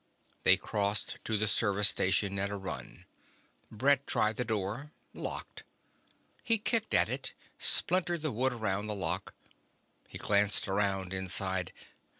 They crossed to the service station at a run. Brett tried the door. Locked. He kicked at it, splintered the wood around the lock. He glanced around inside.